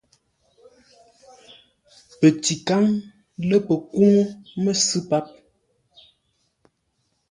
Pətikáŋ lə̂ pəkúŋú məsʉ̂ páp.